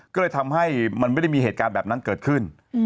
ก็เลยทำให้มันไม่ได้มีเหตุการณ์แบบนั้นเกิดขึ้น